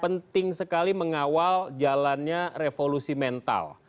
penting sekali mengawal jalannya revolusi mental